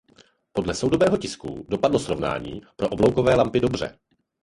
Podle soudobého tisku dopadlo srovnání pro obloukové lampy dobře.